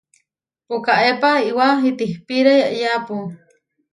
Pukaépa iʼwá itihpíre yeʼyeápu.